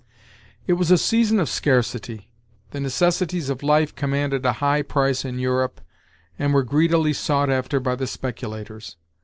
"It was a season of scarcity; the necessities of life commanded a high price in Europe, and were greedily sought after by the speculators.